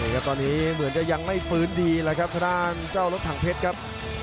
เห็นครับตอนนี้เหมือนกันยังไม่ฟื้นดีเลยครับขนาดเจ้ารถถังเพชรครับ